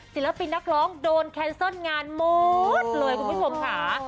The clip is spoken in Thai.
ศิลปินนักร้องโดนแคนเซิลงานหมดเลยคุณผู้ชมค่ะ